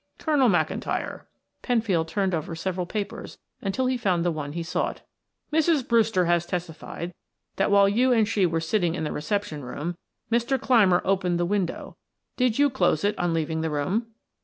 "Colonel McIntyre," Penfield turned over several papers until he found the one he sought. "Mrs. Brewster has testified that while you and she were sitting in the reception room, Mr. Clymer opened the window. Did you close it on leaving the room?"